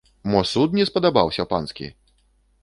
Мо суд не спадабаўся панскі?!